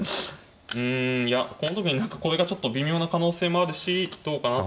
うんいやこの時に何かこれがちょっと微妙な可能性もあるしどうかなという。